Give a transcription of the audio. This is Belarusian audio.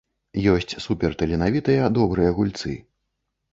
Ёсць суперталенавітыя, добрыя гульцы.